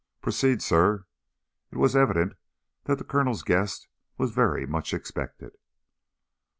"Proceed, Sir." It was evident the Colonel's guest was very much expected.